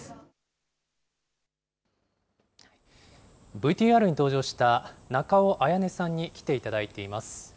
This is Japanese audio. ＶＴＲに登場した、仲尾彩音さんに来ていただいています。